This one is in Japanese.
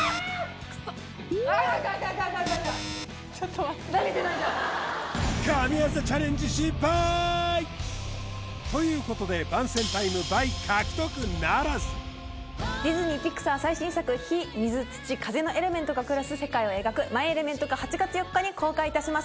くっそああああ赤赤投げてないじゃんということで番宣タイム倍獲得ならずディズニー＆ピクサー最新作火・水・土・風のエレメントが暮らす世界を描く「マイ・エレメント」が８月４日に公開いたします